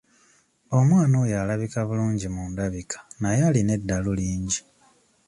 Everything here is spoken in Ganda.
Omwana oyo alabika bulungi mu ndabika naye alina eddalu lingi.